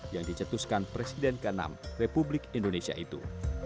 yang dicetuskan presiden ke enam republik indonesia itu